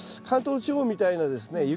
関東地方みたいなですね